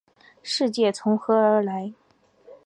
世界从何来？